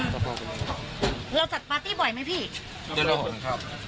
อ๋อเราจัดปาร์ตี้บ่อยไหมพี่ด้วยละห่วงครับ